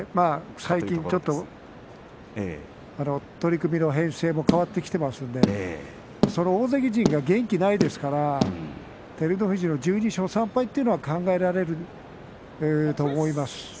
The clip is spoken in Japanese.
最近ちょっと取組の編成も変わってきてますので大関陣が元気がないですから照ノ富士の１２勝３敗というのは考えられると思います。